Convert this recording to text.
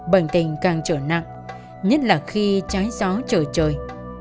bệnh tình càng trở nặng nhất là khi trái gió trở trời